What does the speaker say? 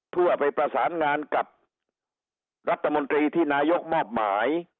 เพื่อไปประสานงานกับรัฐมนตรีที่นายกมอบหมาย